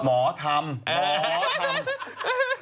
หมอทำหมอทำ